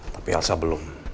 tapi elsa belum